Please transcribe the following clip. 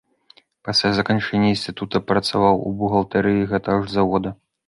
Пасля заканчэння інстытута працаваў у бухгалтэрыі гэтага ж завода.